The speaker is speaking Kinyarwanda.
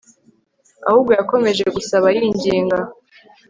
ahubwo yakomeje gusaba yinginga